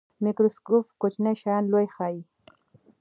مایکروسکوپ کوچني شیان لوی ښيي